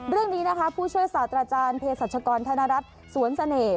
เรื่องนี้นะคะผู้ช่วยศาสตราจารย์เพศรัชกรธนรัฐสวนเสน่ห์